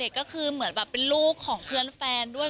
ก็คือเหมือนแบบเป็นลูกของเพื่อนแฟนด้วย